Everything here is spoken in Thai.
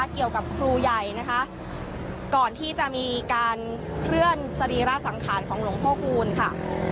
เกี่ยวกับครูใหญ่นะคะก่อนที่จะมีการเคลื่อนสรีระสังขารของหลวงพ่อคูณค่ะ